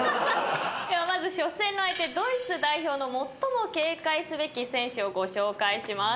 ではまず初戦の相手ドイツ代表の最も警戒すべき選手をご紹介します。